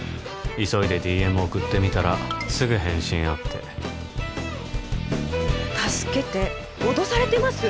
急いでＤＭ送ってみたらすぐ返信あって「助けて脅されてます」！？